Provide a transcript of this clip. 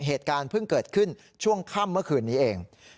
เหตุการณ์เพิ่งเกิดขึ้นช่วงค่ำเมื่อคืนนี้เอง